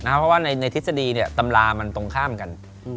เพราะว่าในทฤษฎีตำรามันตรงข้ามกัน